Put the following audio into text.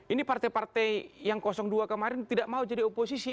ini partai partai yang dua kemarin tidak mau jadi oposisi